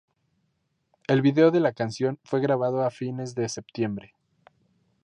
El video de la canción fue grabado a fines de septiembre.